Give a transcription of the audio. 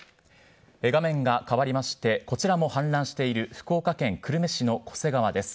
画面がかわりまして、こちらも氾濫している、福岡県久留米市の巨瀬川です。